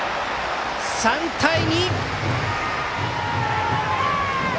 ３対２！